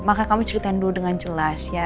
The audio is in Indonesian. maka kami ceritain dulu dengan jelas ya